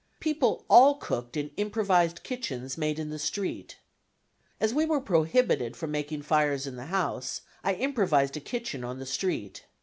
People all cooked in improvised kitchens made in the street. As we were prohibited from making fires in the house, I improvised a kitchen on the street.